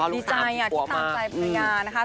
ดีใจที่ตามใจภรรยานะคะ